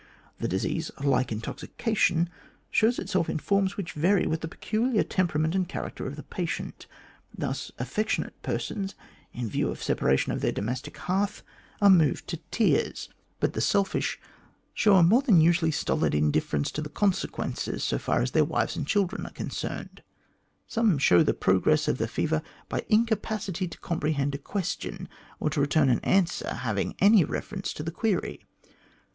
The disease, like intoxication, shows itself in forms which vary with the peculiar temperament and character of the patient. Thus, affectionate persons, in view of separation from the domestic hearth, are moved to tears, but THE GREAT GOLD ''HUSH' i .'\"'.' V', i ''101' the selfish show a more than usually stolid indifference to the consequences, so far as their wives and children are concerned. Some show the progress of the fever by incapacity to comprehend a question, or to return an answer having any reference to the query.